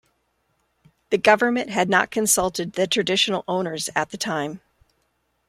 The government had not consulted the traditional owners at the time.